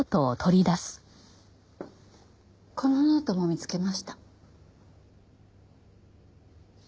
このノートも見つけました。